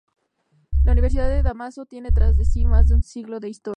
La Universidad san Dámaso tiene tras de sí más de un siglo de historia.